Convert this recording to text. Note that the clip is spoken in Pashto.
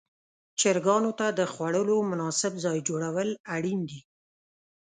چرګانو ته د خوړلو مناسب ځای جوړول اړین دي.